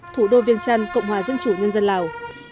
thủ đô viên trăn cộng hòa dân chủ nhân dân lào